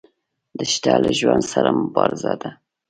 دښته له ژوند سره مبارزه ده.